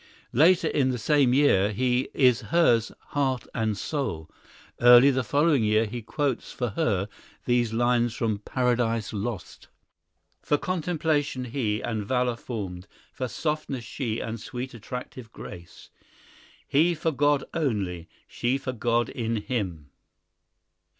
Later in the same year he is hers "heart and soul." Early the following year he quotes for her these lines from "Paradise Lost:" "For contemplation he, and valour formed, For softness she, and sweet attractive grace; He for God only, she for God in him!"